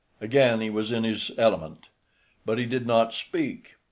Again he was in his element. But he did not speak.